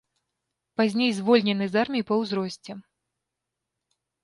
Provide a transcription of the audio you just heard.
Пазней звольнены з арміі па ўзросце.